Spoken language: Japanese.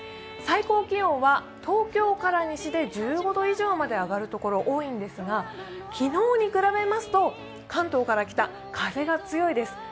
最高気温は東京から西で１５度以上まで上がるところ多いんですが昨日に比べますと関東から北風が強いです。